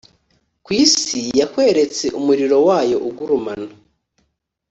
ku isi yakweretse umuriro wayo ugurumana,